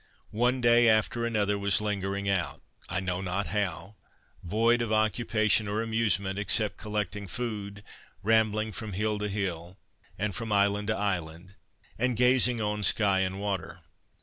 One day after another was lingered out, I know not how, void of occupation or amusement, except collecting food, rambling from hill to hill, and from island to island, and gazing on sky and water.